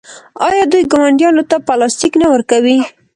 آیا دوی ګاونډیانو ته پلاستیک نه ورکوي؟